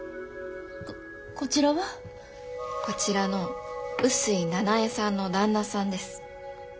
ここちらは？こちらの臼井奈苗さんの旦那さんです。え？